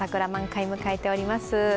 桜満開迎えております。